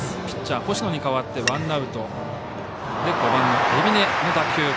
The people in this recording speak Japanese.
ピッチャー、星野に代わってワンアウトで５番の海老根の打球。